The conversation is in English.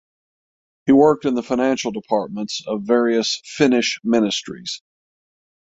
He worked in the financial departments of various Finnish ministries.